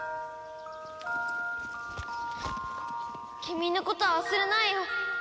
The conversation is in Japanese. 君のことは忘れないよ。